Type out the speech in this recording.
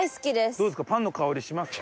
どうですか？